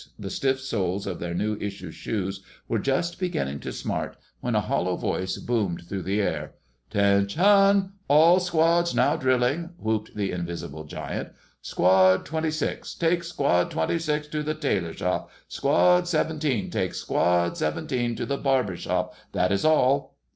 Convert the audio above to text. The stiff soles of their new issue shoes were just beginning to smart, when a hollow voice boomed through the air. "'Tenshun all squads now drilling!" whooped the invisible giant. "Squad 26! Take Squad 26 to the tailor shop.... Squad 17. Take Squad 17 to the barber shop. That is all."